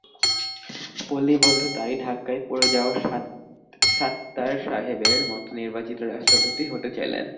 পল্লিবন্ধু তাঁরই ধাক্কায় পড়ে যাওয়া সাত্তার সাহেবের মতো নির্বাচিত রাষ্ট্রপতি হতে চাইলেন।